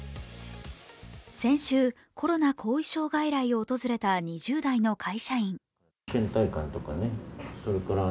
先週、コロナ後遺症外来を訪れた２０代の会社員。